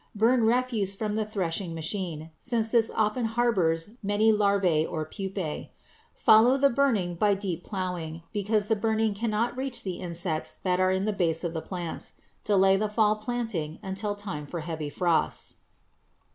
Burn refuse from the threshing machine, since this often harbors many larvæ or pupæ. Follow the burning by deep plowing, because the burning cannot reach the insects that are in the base of the plants. Delay the fall planting until time for heavy frosts.